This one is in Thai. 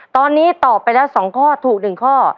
ตอนนี้ตอบไปแล้ว๒ข้อถูก๑ข้อ